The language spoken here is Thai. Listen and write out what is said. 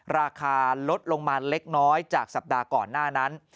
ราคาลดลงมาเล็กน้อยจากสัปดาห์ก่อนหน้านั้น